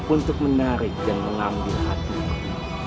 untuk menarik dan mengambil hatimu